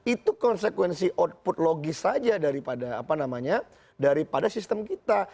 itu konsekuensi output logis saja daripada sistem kita